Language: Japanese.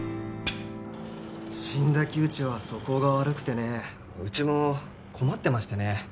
死んだ木内は素行が悪くてねうちも困ってましてね